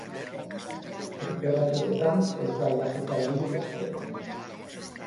Tenperaturetan ez da aldaketa handirik espero.